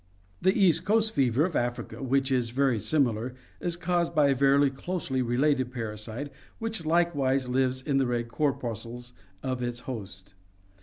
The East Coast fever of Africa, which is very similar, is caused by a very closely related parasite which likewise lives in the red cor puscles of its host.